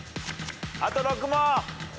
あと６問！